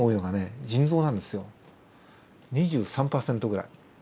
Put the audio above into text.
２３％ぐらい。